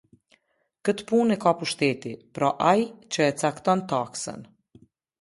Këtë punë e ka pushteti, pra ai që e cakton taksën.